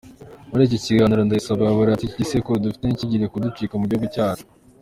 Muri icyo kiganiro, Ndayisaba yababwiye ati “Iki gisekuru dufite ntigikwiriye kuducika mu gihugu cyacu.